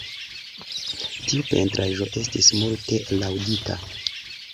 Tiu pentraĵo estis multe laŭdita.